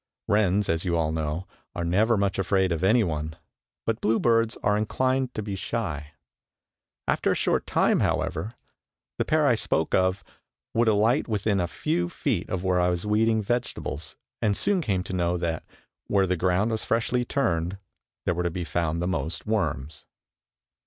Wrens, as you all know, are never much afraid of anyone, but bluebirds are inclined to be shy. After a short time, however, the pair I spoke of would alight within a few feet of where I was weeding vegetables, and soon came to know that where the ground was freshly turned, there were to be found the most worms.